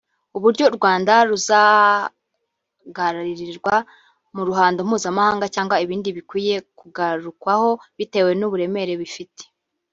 uburyo u Rwanda ruzahagararirwa mu ruhando mpuzamahanga cyangwa ibindi bikwiye kugarukwaho bitewe n’uburemere bifite